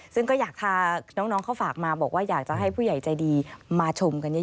ซึ่งก็อยากพาน้องเขาฝากมาบอกว่าอยากจะให้ผู้ใหญ่ใจดีมาชมกันเยอะ